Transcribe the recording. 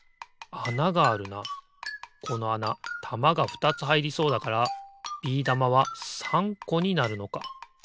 このあなたまがふたつはいりそうだからビー玉は３こになるのか。